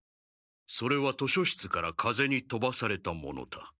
それは図書室から風にとばされたものだ。